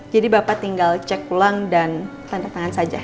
jadi bapak tinggal cek pulang dan tanda tangan saja